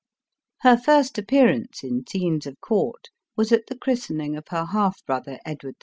Her first appearance in scenes of court, was at the christening of her half brother, Edward VI.